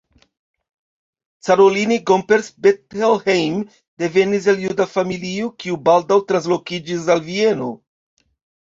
Caroline Gomperz-Bettelheim devenis el juda familio, kiu baldaŭ translokiĝis al Vieno.